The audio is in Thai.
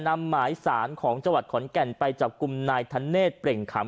นำหมายสารของจขอนแก่นไปจากกลุ่มนายทันเนธเปล่งคำ